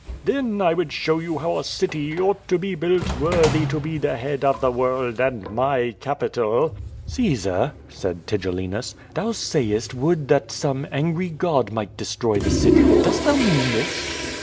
Then I would show you how a city ought to be built worthy to be the head of the world, and my capital." "Caesar," said Tigellinus, "thou sayest would that some angry god might destroy the city. Dost thou mean this?"